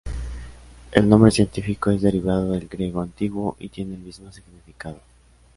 El nombre científico es derivado del griego antiguo y tiene el mismo significado.